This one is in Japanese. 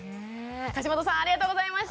樫本さんありがとうございました。